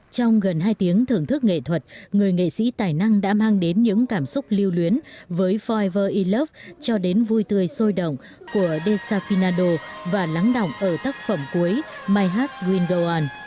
trong gần hai tiếng thưởng thức nghệ thuật người nghệ sĩ tài năng đã mang đến những cảm xúc lưu luyến với forever in love cho đến vui tươi sôi động của de salfinado và lắng đọng ở tác phẩm cuối my heart will go on